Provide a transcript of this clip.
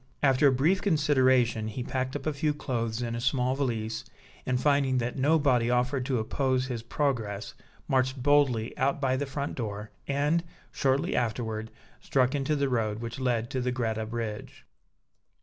After a brief consideration, he packed up a few clothes in a small valise, and, finding that nobody offered to oppose his progress, marched boldly out by the front door, and, shortly afterward, struck into the road which led to the Greta Bridge.